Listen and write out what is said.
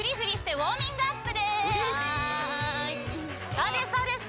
そうですそうです！